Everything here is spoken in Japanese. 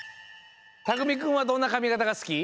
たくみくんはどんなかみがたがすき？